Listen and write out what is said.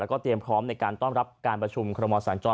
แล้วก็เตรียมพร้อมในการต้อนรับการประชุมคอรมอสัญจร